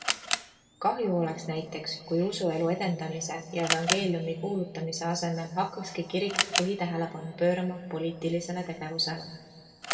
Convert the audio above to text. Kahju oleks näiteks, kui usuelu edendamise ja evangeeliumi kuulutamise asemel hakkakski kirik põhitähelepanu pöörama poliitilisele tegevusele.